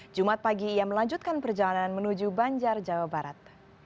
jumat pagi ia melanjutkan perjalanan menuju banjar jawa barat